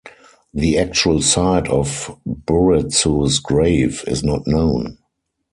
The actual site of Buretsu's grave is not known.